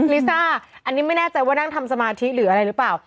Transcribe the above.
ลิซ่าอันนี้ไม่แน่ใจว่านั่งทำสมาธิหรืออะไรหรือเปล่า